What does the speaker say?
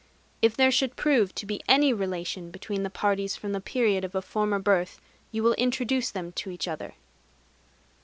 If there should prove to be any relation between the parties from the period of a former birth, you will introduce them to each other."